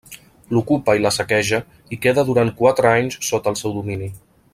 L'ocupa i la saqueja, i queda durant quatre anys sota el seu domini.